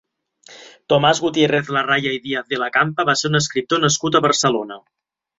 Tomás Gutiérrez-Larraya i Díaz de la Campa va ser un escriptor nascut a Barcelona.